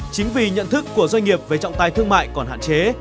chính vì nhận thức của doanh nghiệp về trọng tài thương mại còn hạn chế